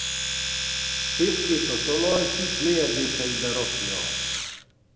Fészkét a talaj kis mélyedéseibe rakja.